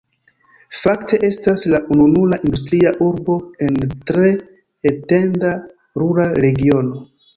Fakte estas la ununura industria urbo en tre etenda rura regiono.